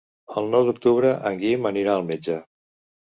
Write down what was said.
El nou d'octubre en Guim anirà al metge.